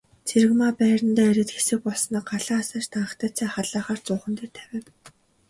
Цэрэгмаа байрандаа ирээд хэсэг болсноо галаа асааж данхтай цай халаахаар зуухан дээрээ тавив.